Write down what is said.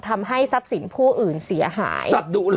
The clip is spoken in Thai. ทำให้ทรัพย์สินผู้อื่นเสียหาย